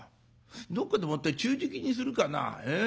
どっかでもって昼食にするかなええ？